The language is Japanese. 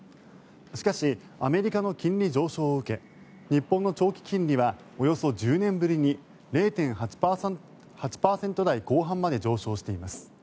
しかしアメリカの金利上昇を受け日本の長期金利はおよそ１０年ぶりに０．８％台後半まで上昇しています。